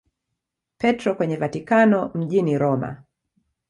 Petro kwenye Vatikano mjini Roma.